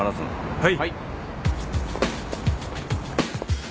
はい！